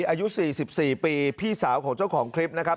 อายุ๔๔ปีพี่สาวของเจ้าของคลิปนะครับ